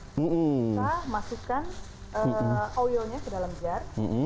yang terakhir adalah kita masukkan oilnya ke dalam jar